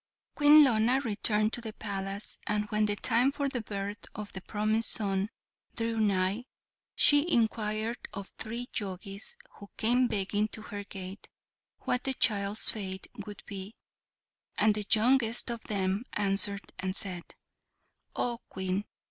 Queen Lona returned to the palace, and when the time for the birth of the promised son drew nigh, she inquired of three Jogis who came begging to her gate, what the child's fate would be, and the youngest of them answered and said, "Oh, Queen!